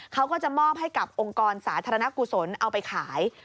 เขาก็จะมอบให้กับองค์กรสาธารณกุศลเอาไปขาย